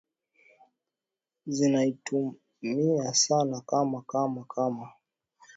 zinaitumia sana kama kama kama kama